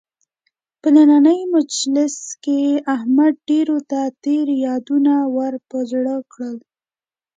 په نننۍ مجلس کې احمد ډېرو ته تېر یادونه ور په زړه کړل.